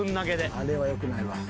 あれはよくないわ。